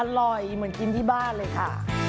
อร่อยเหมือนกินที่บ้านเลยค่ะ